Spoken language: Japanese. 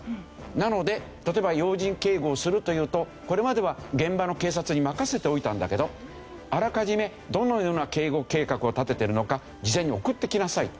なので例えば要人警護をするというとこれまでは現場の警察に任せておいたんだけどあらかじめどのような警護計画を立ててるのか事前に送ってきなさいと。